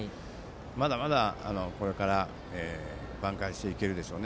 まだまだ、これから挽回していけるでしょう。